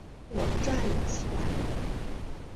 我站了起来